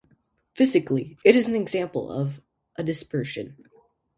Physically, it is an example of a dispersion.